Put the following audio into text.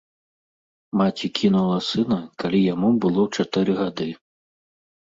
Маці кінула сына, калі яму было чатыры гады.